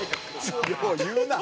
よう言うなあ。